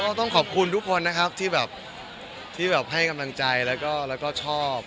ต้องขอบคุณทุกคนนะครับที่แบบที่แบบให้กำลังใจแล้วก็ชอบ